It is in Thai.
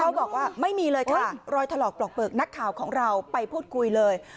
บอกว่าไม่มีเลยค่ะรอยถลอกปลอกเปลือกนักข่าวของเราไปพูดคุยเลย